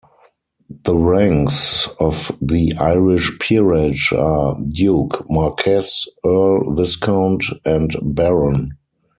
The ranks of the Irish peerage are Duke, Marquess, Earl, Viscount and Baron.